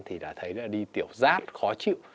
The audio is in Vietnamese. thì đã thấy đi tiểu rát khó chịu